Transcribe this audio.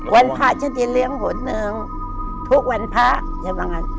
วันพระฉันจะเลี้ยงหนึ่งทุกวันพระอย่าบังงาน